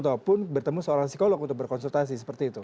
ataupun bertemu seorang psikolog untuk berkonsultasi seperti itu